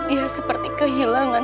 ia seperti kehilangan